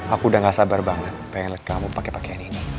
aku udah gak sabar banget pengen kamu pakai pakaian ini